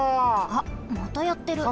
あっまたやってる。